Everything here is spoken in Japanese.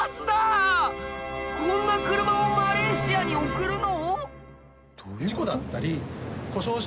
こんな車をマレーシアに送るの？